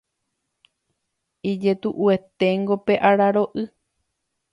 Ijetu'ueténgo pe araro'y